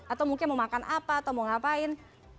atau mungkin mau makan apa atau mau ngapain